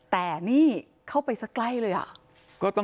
แต่นี่เข้าไปสักใกล้เลยอ่ะ